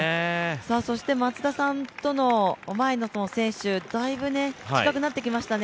そして松田さんと前の選手、だいぶ近くなってきましたね。